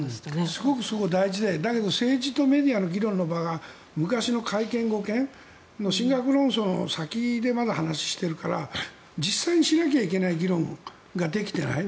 すごくそこは大事で政治とメディアの議論の場が昔の改憲護憲の神学論争の先でまだ話をしているから実際にしないといけない議論ができていない。